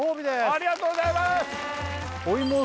ありがとうございますお芋